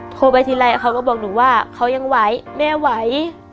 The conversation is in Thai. โทรไปทีไรเขาก็บอกหนูว่าเขายังไหวแม่ไหว